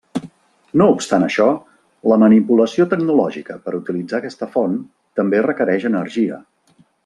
No obstant això, la manipulació tecnològica per utilitzar aquesta font, també requereix energia.